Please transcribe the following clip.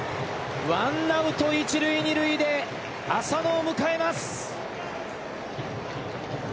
ワンアウト、一塁二塁で浅野を迎えます。